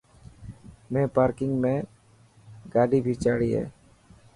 مين پارڪنگ ۾ کاڌي ڀيچاڙي هي.